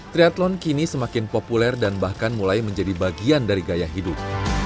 triathlon kini semakin populer dan bahkan mulai menjadi bagian dari gaya hidup